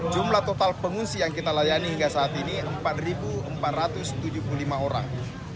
jumlah total pengungsi yang kita layani hingga saat ini empat empat ratus tujuh puluh lima orang